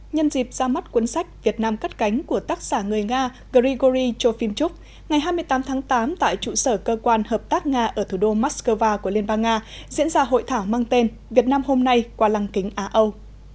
nhân dịp ra mắt cuốn sách việt nam cắt cánh của tác giả người nga grigory chofimchuk ngày hai mươi tám tháng tám tại trụ sở cơ quan hợp tác nga ở thủ đô moscow của liên bang nga diễn ra hội thảo mang tên việt nam hôm nay qua lăng kính á âu